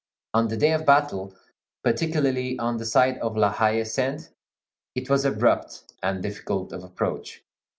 On the day of battle, particularly on the side of La Haie Sainte, it was abrupt and difficult of approach.